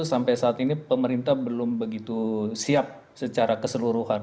sampai saat ini pemerintah belum begitu siap secara keseluruhan